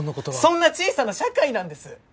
そんな小さな社会なんです！